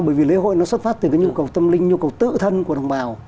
bởi vì lễ hội nó xuất phát từ cái nhu cầu tâm linh nhu cầu tự thân của đồng bào